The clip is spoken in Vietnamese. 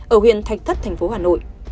ở huyện thạch thất thành phố hà nội